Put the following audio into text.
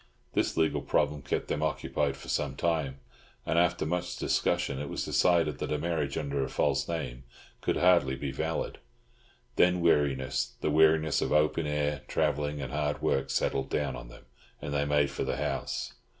This legal problem kept them occupied for some time; and, after much discussion, it was decided that a marriage under a false name could hardly be valid. Then weariness, the weariness of open air, travelling, and hard work, settled down on them, and they made for the house.